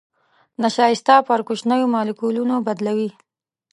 نشایسته پر کوچنيو مالیکولونو بدلوي.